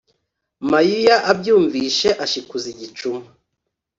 mayuya amwumvise ashikuza igicuma